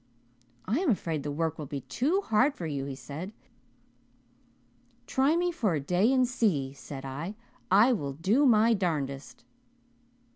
'I am afraid the work will be too hard for you,' he said. 'Try me for a day and see,' said I. 'I will do my darnedest.'"